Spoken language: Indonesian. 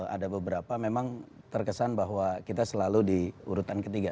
ada beberapa memang terkesan bahwa kita selalu di urutan ketiga